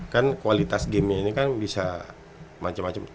kan kualitas game nya ini kan bisa macam macam